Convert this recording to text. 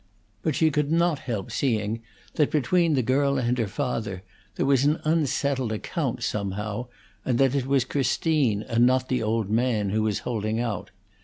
But she could not help seeing that between the girl and her father there was an unsettled account, somehow, and that it was Christine and not the old man who was holding out.